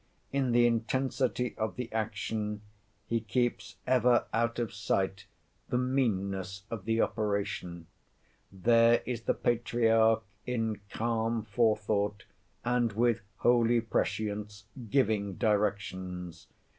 In the intensity of the action, he keeps ever out of sight the meanness of the operation. There is the Patriarch, in calm forethought, and with holy prescience, giving directions.